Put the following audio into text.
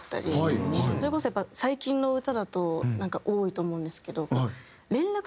それこそやっぱ最近の歌だと多いと思うんですけど。